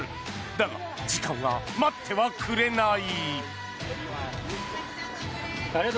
だが、時間は待ってはくれない。